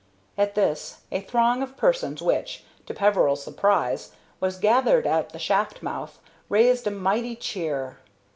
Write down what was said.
At this a throng of persons which, to Peveril's surprise, was gathered at the shaft mouth raised a mighty cheer.